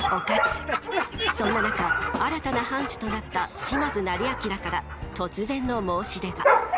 そんな中新たな藩主となった島津斉彬から突然の申し出が。